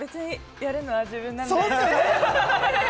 やるのは自分なので。